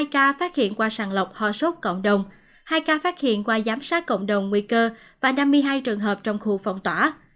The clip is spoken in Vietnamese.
một mươi hai ca phát hiện qua sàn lọc hòa sốt cộng đồng hai ca phát hiện qua giám sát cộng đồng nguy cơ và năm mươi hai trường hợp trong khu phòng tỏa